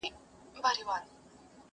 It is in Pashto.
خوله مي سپېره ده کاسه نسکوره,